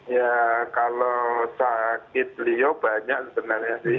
ya kalau sakit beliau banyak sebenarnya sih